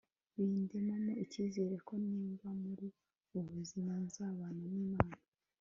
bindemamo ikizere ko nimva muri ubu buzima nzabana n'imana